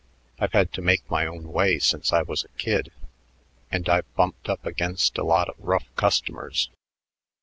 I've had to make my own way since I was a kid, and I've bumped up against a lot of rough customers.